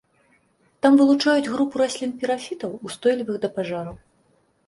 Там вылучаюць групу раслін-пірафітаў, устойлівых да пажараў.